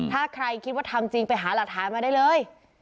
ถ้าใครคิดว่าทำจริงไปหาหลักฐานมาได้เลย